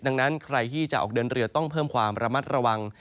ดังนั้นใครที่จะออกเดินเรือต้องเพิ่มความระมัดระวัง